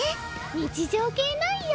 日常系なんよ。